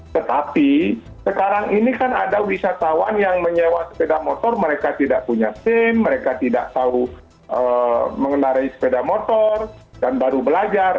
tetapi sekarang ini kan ada wisatawan yang menyewa sepeda motor mereka tidak punya sim mereka tidak tahu mengenari sepeda motor dan baru belajar